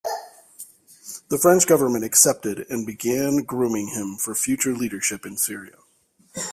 The French government accepted and began grooming him for future leadership in Syria.